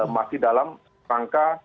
masih dalam rangka